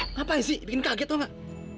aduh apaan sih bikin kaget tau gak